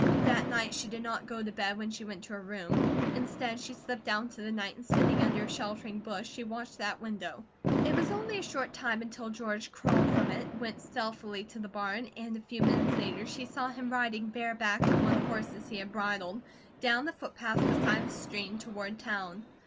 That night she did not go to bed when she went to her room. Instead she slipped out into the night and sitting under a sheltering bush she watched that window. It was only a short time until George crawled from it, went stealthily to the barn, and a few minutes later she saw him riding barebacked on one of the horses he had bridled, down the footpath beside the stream toward town.